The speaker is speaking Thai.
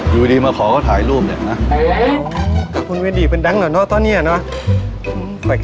อยู่ดีมาขอก็ถ่ายรูปเนี่ยนะ